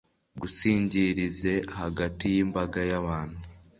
ngusingirize hagati y'imbaga y'abantu